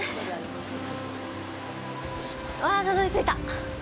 わあ、たどり着いた。